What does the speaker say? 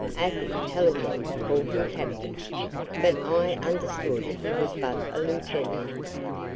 "Afy Hallijohn called him captain; but I understood he was but a lieutenant."